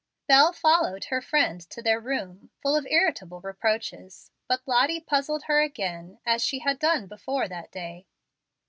Bel followed her friend to their room, full of irritable reproaches. But Lottie puzzled her again, as she had done before that day.